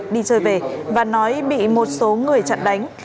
đi chơi về và nói bị một số người chặn đánh